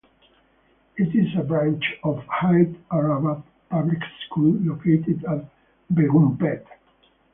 It is a branch of Hyderabad Public School located at Begumpet.